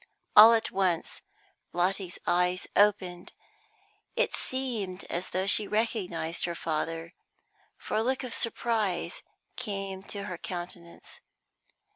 All at once Lotty's eyes opened. It seemed as though she recognised her father, for a look of surprise came to her countenance.